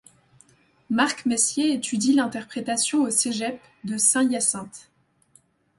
Marc Messier étudie l'interprétation au Cégep de Saint-Hyacinthe.